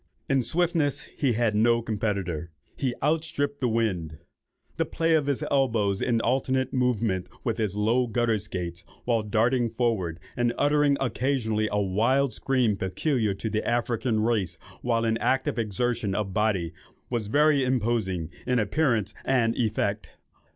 In swiftness he had no competitor; he outstripped the wind; the play of his elbows in alternate movement with his low gutter skaites, while darting forward and uttering occasionally a wild scream peculiar to the African race while in active exertion of body, was very imposing in appearance and effect.